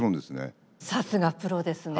さすがプロですね。